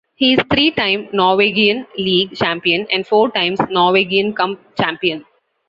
He is three time Norwegian league champion, and four times Norwegian cup champion.